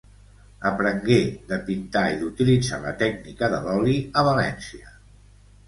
Aprengué de pintar i d'utilitzar la tècnica de l'oli a València.